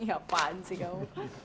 apaan sih kamu